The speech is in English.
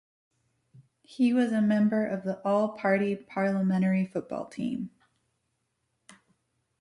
He was a member of the All-Party Parliamentary Football Team.